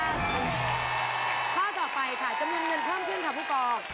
จะมีเงินเพิ่มขึ้นค่ะพุกอง